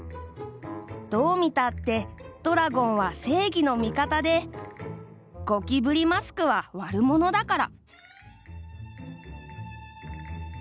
どうみたってドラゴンはせいぎのみかたでゴキブリマスクはわるものだから。